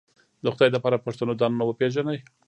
د خدای د پاره پښتنو ځانونه وپېژنئ